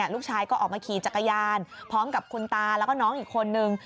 ลูกชายก็ออกมาขี่จักรยานพร้อมกับคุณตาแล้วก็น้องอีกคนนึง